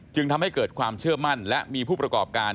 จึงทำให้เกิดความเชื่อมั่นและมีผู้ประกอบการ